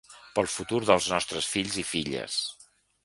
Pel futur dels nostres fills i filles.